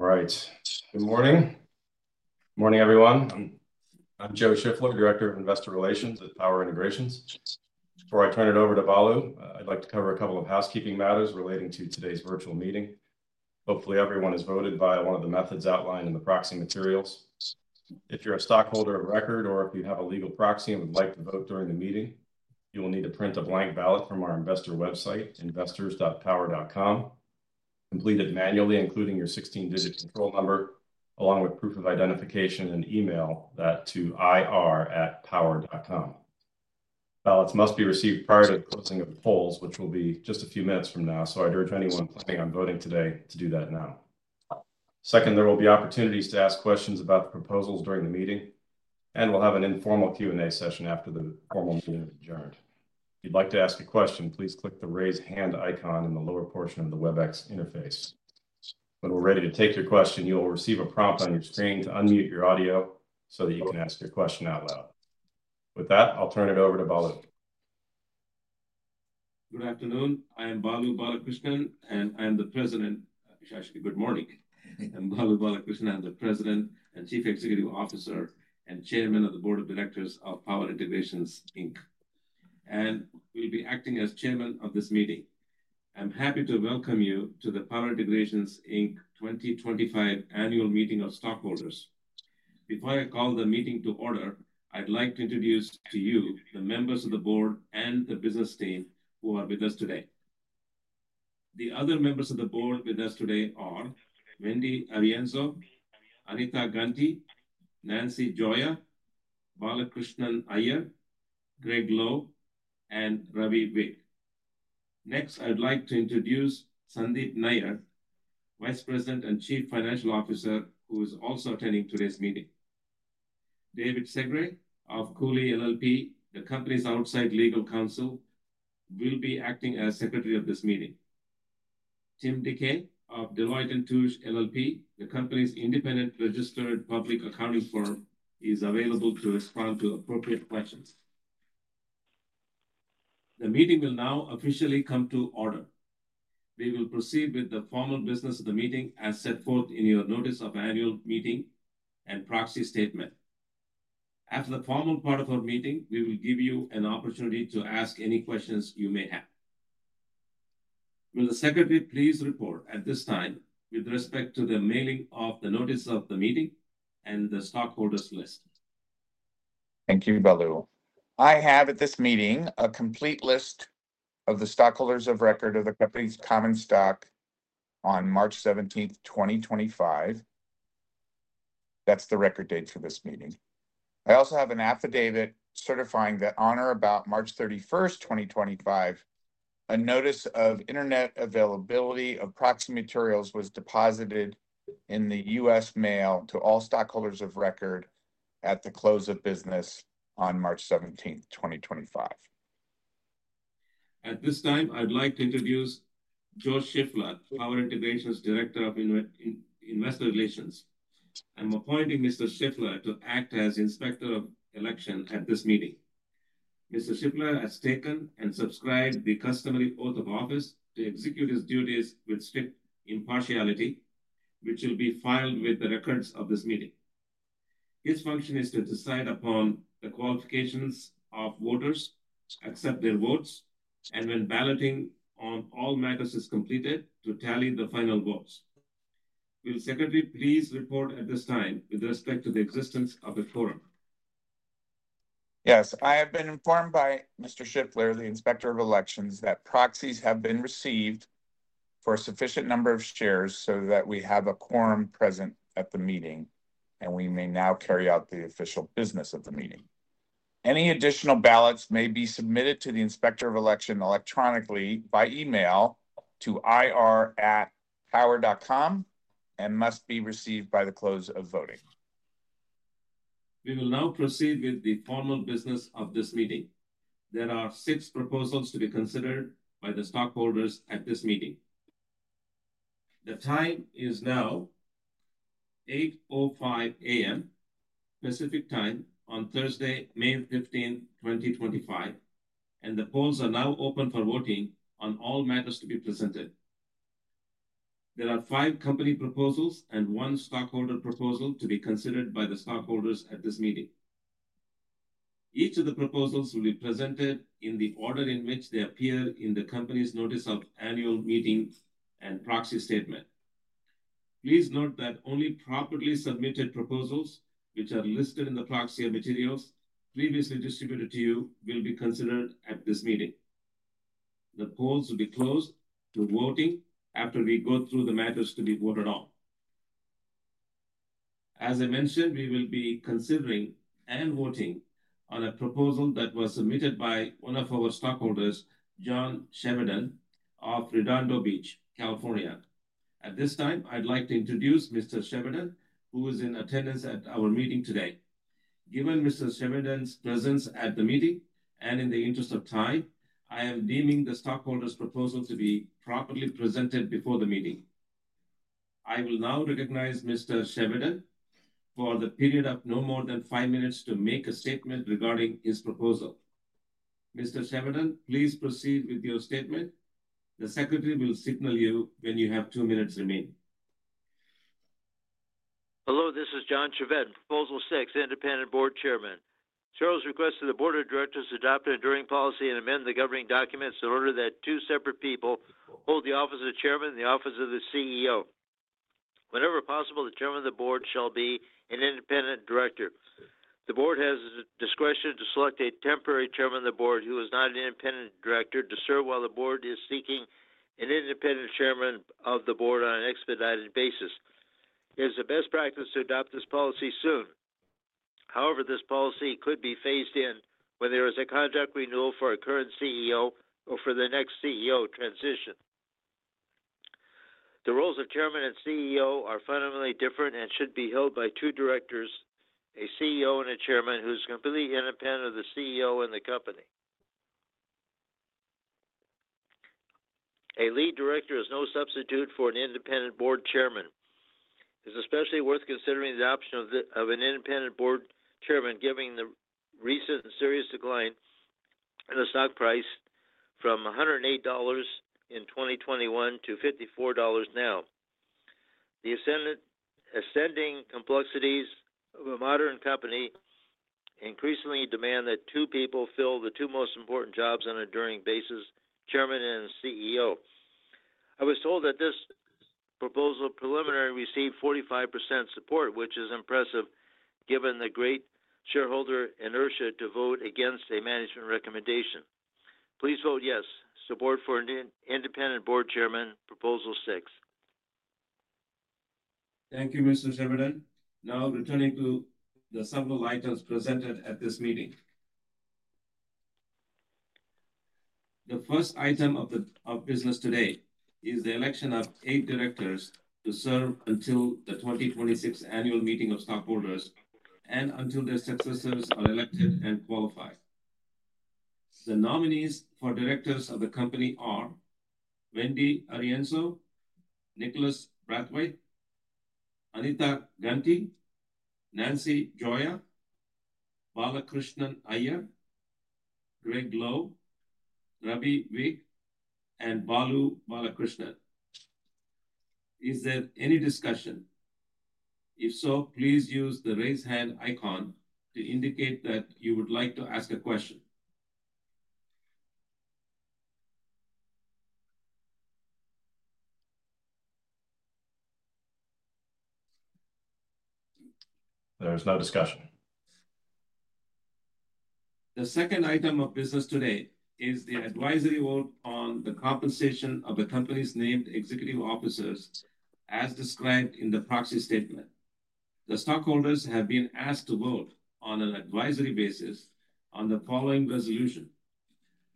All right. Good morning. Good morning, everyone. I'm Joe Shiffler, Director of Investor Relations at Power Integrations. Before I turn it over to Balu, I'd like to cover a couple of housekeeping matters relating to today's virtual meeting. Hopefully, everyone has voted by one of the methods outlined in the proxy materials. If you're a stockholder of record, or if you have a legal proxy and would like to vote during the meeting, you will need to print a blank ballot from our investor website, investors.power.com, complete it manually, including your 16-digit control number, along with proof of identification and email that to ir@power.com. Ballots must be received prior to the closing of the polls, which will be just a few minutes from now, so I'd urge anyone planning on voting today to do that now. Second, there will be opportunities to ask questions about the proposals during the meeting, and we'll have an informal Q&A session after the formal meeting is adjourned. If you'd like to ask a question, please click the raise hand icon in the lower portion of the Webex interface. When we're ready to take your question, you'll receive a prompt on your screen to unmute your audio so that you can ask your question out loud. With that, I'll turn it over to Balu. Good afternoon. I am Balu Balakrishnan, and I am the President. Actually, good morning. I'm Balu Balakrishnan. I'm the President and Chief Executive Officer and Chairman of the Board of Directors of Power Integrations, Inc, and will be acting as Chairman of this meeting. I'm happy to welcome you to the Power Integrations, Inc 2025 Annual Meeting of Stockholders. Before I call the meeting to order, I'd like to introduce to you the members of the Board and the business team who are with us today. The other members of the Board with us today are Wendy Arienzo, Anita Ganti, Nancy Gioia, Balakrishnan Iyer, Gregg Lowe, and Ravi Vig. Next, I'd like to introduce Sandeep Nayyar, Vice President and Chief Financial Officer, who is also attending today's meeting. David Segre of Cooley LLP, the company's outside legal counsel, will be acting as Secretary of this meeting. Tim Dike of Deloitte & Touche LLP, the company's independent registered public accounting firm, is available to respond to appropriate questions. The meeting will now officially come to order. We will proceed with the formal business of the meeting as set forth in your notice of annual meeting and proxy statement. After the formal part of our meeting, we will give you an opportunity to ask any questions you may have. Will the Secretary please report at this time with respect to the mailing of the notice of the meeting and the stockholders' list? Thank you, Balu. I have at this meeting a complete list of the stockholders of record of the company's common stock on March 17th, 2025. That's the record date for this meeting. I also have an affidavit certifying that on or about March 31st, 2025, a notice of internet availability of proxy materials was deposited in the U.S. mail to all stockholders of record at the close of business on March 17th, 2025. At this time, I'd like to introduce Joe Shiffler, Power Integrations Director of Investor Relations. I'm appointing Mr. Shiffler to act as Inspector of Election at this meeting. Mr. Shiffler has taken and subscribed the customary oath of office to execute his duties with strict impartiality, which will be filed with the records of this meeting. His function is to decide upon the qualifications of voters, accept their votes, and when balloting on all matters is completed, to tally the final votes. Will the Secretary please report at this time with respect to the existence of the quorum? Yes. I have been informed by Mr. Shiffler, the Inspector of Elections, that proxies have been received for a sufficient number of shares so that we have a quorum present at the meeting, and we may now carry out the official business of the meeting. Any additional ballots may be submitted to the Inspector of Election electronically by email to ir@power.com and must be received by the close of voting. We will now proceed with the formal business of this meeting. There are six proposals to be considered by the stockholders at this meeting. The time is now 8:05 A.M. Pacific Time on Thursday, May 15th, 2025, and the polls are now open for voting on all matters to be presented. There are five company proposals and one stockholder proposal to be considered by the stockholders at this meeting. Each of the proposals will be presented in the order in which they appear in the company's notice of annual meeting and proxy statement. Please note that only properly submitted proposals, which are listed in the proxy materials previously distributed to you, will be considered at this meeting. The polls will be closed to voting after we go through the matters to be voted on. As I mentioned, we will be considering and voting on a proposal that was submitted by one of our stockholders, John Chevedden of Redondo Beach, California. At this time, I'd like to introduce Mr. Chevedden, who is in attendance at our meeting today. Given Mr. Chevedden's presence at the meeting and in the interest of time, I am deeming the stockholders' proposal to be properly presented before the meeting. I will now recognize Mr. Chevedden for the period of no more than five minutes to make a statement regarding his proposal. Mr. Chevedden, please proceed with your statement. The Secretary will signal you when you have two minutes remaining. Hello, this is John Chevedden, Proposal 6, Independent Board Chairman. Charles requests that the Board of Directors adopt a during policy and amend the governing documents in order that two separate people hold the office of Chairman and the office of the CEO. Whenever possible, the Chairman of the Board shall be an independent director. The Board has the discretion to select a temporary Chairman of the Board who is not an independent director to serve while the Board is seeking an independent Chairman of the Board on an expedited basis. It is a best practice to adopt this policy soon. However, this policy could be phased in when there is a contract renewal for a current CEO or for the next CEO transition. The roles of Chairman and CEO are fundamentally different and should be held by two directors, a CEO and a Chairman who is completely independent of the CEO and the company. A lead director is no substitute for an independent board chairman. It is especially worth considering the option of an Independent Board Chairman, given the recent serious decline in the stock price from $108 in 2021 to $54 now. The ascending complexities of a modern company increasingly demand that two people fill the two most important jobs on a during basis: Chairman and CEO. I was told that this proposal preliminary received 45% support, which is impressive given the great shareholder inertia to vote against a management recommendation. Please vote yes, support for an Independent Board Chairman, Proposal 6. Thank you, Mr. Chevedden. Now, returning to the several items presented at this meeting. The first item of business today is the election of eight directors to serve until the 2026 annual meeting of stockholders and until their successors are elected and qualified. The nominees for directors of the company are Wendy Arienzo, Nicholas Brathwaite, Anita Ganti, Nancy Gioia, Balakrishnan Iyer, Gregg Lowe, Ravi Vig, and Balu Balakrishnan. Is there any discussion? If so, please use the raise hand icon to indicate that you would like to ask a question. There is no discussion. The second item of business today is the advisory vote on the compensation of the company's named executive officers as described in the proxy statement. The stockholders have been asked to vote on an advisory basis on the following resolution: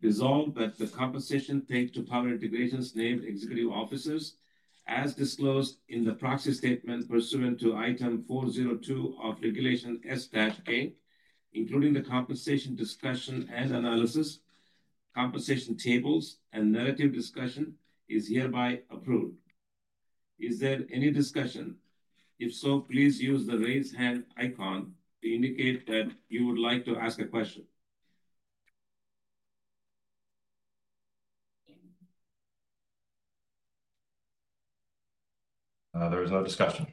Resolved, that the compensation paid to Power Integrations named executive officers, as disclosed in the proxy statement pursuant to Item 402 of Regulation S-K, including the compensation discussion and analysis, compensation tables, and narrative discussion, is hereby approved. Is there any discussion? If so, please use the raise hand icon to indicate that you would like to ask a question. There is no discussion.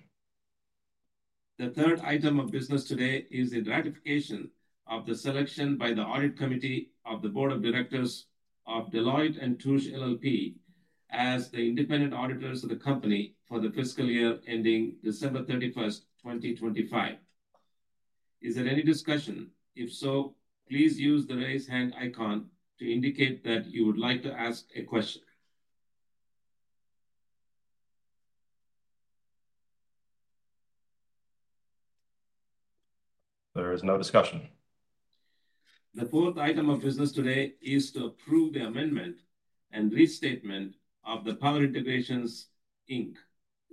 The third item of business today is the ratification of the selection by the Audit Committee of the Board of Directors of Deloitte & Touche LLP as the independent auditors of the company for the fiscal year ending December 31st, 2025. Is there any discussion? If so, please use the raise hand icon to indicate that you would like to ask a question. There is no discussion. The fourth item of business today is to approve the amendment and restatement of the Power Integrations, Inc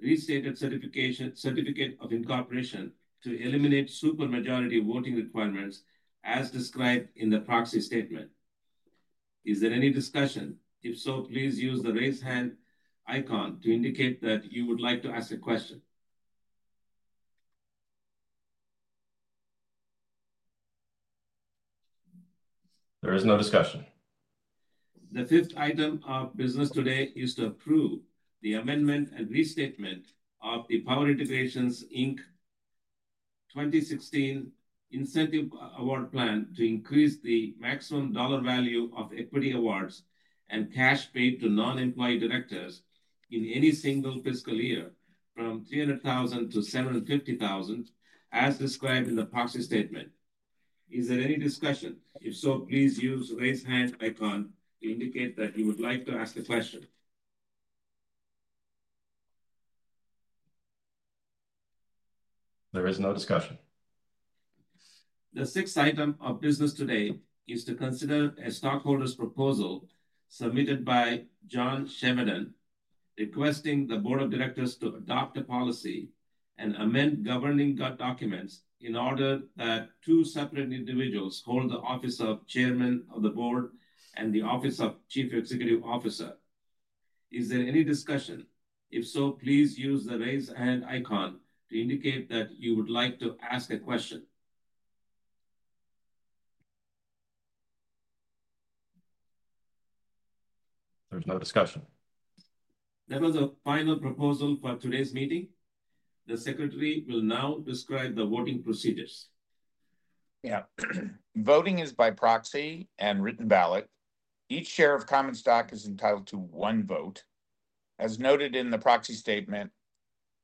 restated certificate of incorporation to eliminate supermajority voting requirements as described in the proxy statement. Is there any discussion? If so, please use the raise hand icon to indicate that you would like to ask a question. There is no discussion. The fifth item of business today is to approve the amendment and restatement of the Power Integrations, Inc 2016 incentive award plan to increase the maximum dollar value of equity awards and cash paid to non-employee directors in any single fiscal year from $300,000-$750,000 as described in the proxy statement. Is there any discussion? If so, please use the raise hand icon to indicate that you would like to ask a question. There is no discussion. The sixth item of business today is to consider a stockholders' proposal submitted by John Chevedden requesting the Board of Directors to adopt a policy and amend governing documents in order that two separate individuals hold the office of Chairman of the Board and the office of Chief Executive Officer. Is there any discussion? If so, please use the raise hand icon to indicate that you would like to ask a question. There's no discussion. That was the final proposal for today's meeting. The Secretary will now describe the voting procedures. Yeah. Voting is by proxy and written ballot. Each share of common stock is entitled to one vote. As noted in the proxy statement,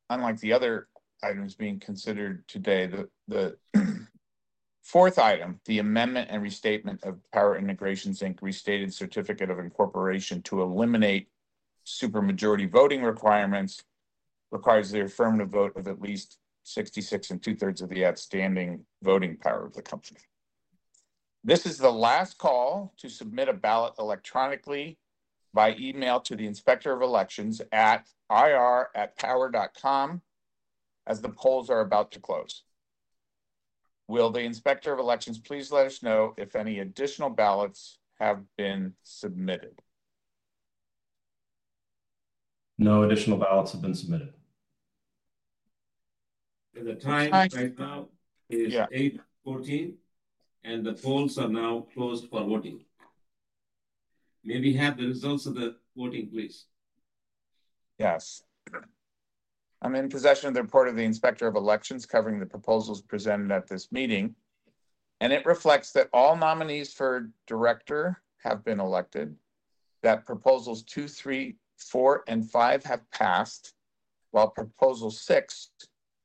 unlike the other items being considered today, the fourth item, the amendment and restatement of Power Integrations' restated certificate of incorporation to eliminate supermajority voting requirements requires the affirmative vote of at least 66 and 2/3 of the outstanding voting power of the company. This is the last call to submit a ballot electronically by email to the Inspector of Elections at ir@power.com as the polls are about to close. Will the Inspector of Elections please let us know if any additional ballots have been submitted? No additional ballots have been submitted. The time right now is 8:14, and the polls are now closed for voting. May we have the results of the voting, please? Yes. I'm in possession of the report of the Inspector of Elections covering the proposals presented at this meeting, and it reflects that all nominees for Director have been elected, that proposals two, three, four, and five have passed, while proposal six,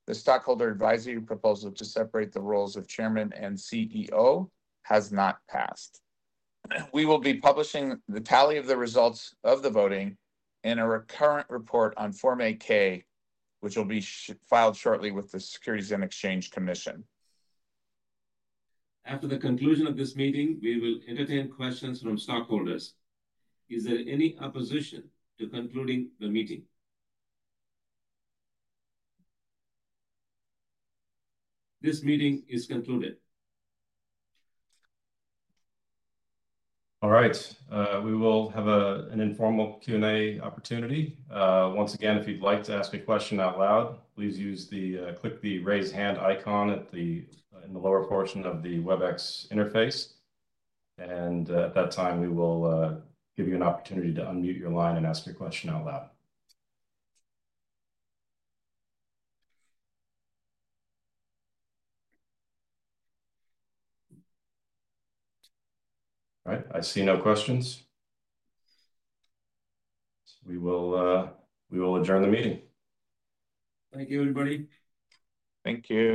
the stockholder advisory proposal to separate the roles of Chairman and CEO, has not passed. We will be publishing the tally of the results of the voting in a current report on Form 8-K, which will be filed shortly with the Securities and Exchange Commission. After the conclusion of this meeting, we will entertain questions from stockholders. Is there any opposition to concluding the meeting? This meeting is concluded. All right. We will have an informal Q&A opportunity. Once again, if you'd like to ask a question out loud, please click the raise hand icon in the lower portion of the Webex interface, and at that time, we will give you an opportunity to unmute your line and ask your question out loud. All right. I see no questions. We will adjourn the meeting. Thank you, everybody. Thank you.